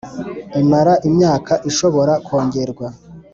Imara imyaka ishobora kongerwa